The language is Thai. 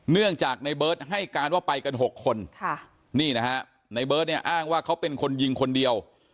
เนื่องจากในเบิร์ตให้การว่าไปกัน๖คนนี่นะฮะในเบิร์ตเนี่ยอ้างว่าเขาเป็นคนยิงคนเดียว